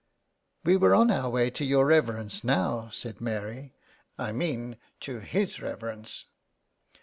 '*" We were on our way to your reverence now," said Mary. " I mean to his reverence."